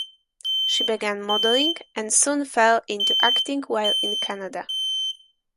She began modeling and soon fell into acting while in Canada.